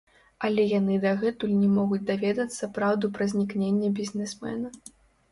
Але яны дагэтуль не могуць даведацца праўду пра знікненне бізнесмена.